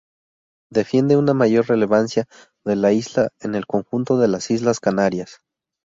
Defiende una mayor relevancia de la isla en el conjunto de las Islas Canarias.